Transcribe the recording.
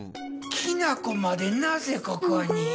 きなこまでなぜここに？